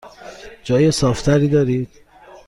جای صاف تری دارید؟